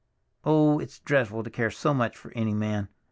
"Oh, it's dreadful to care so much for any man!